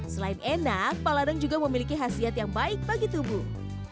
selain enak paladang juga memiliki khasiat yang baik bagi tubuh